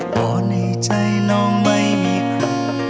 วันนี้ใจน้องไม่มีใคร